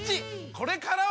これからは！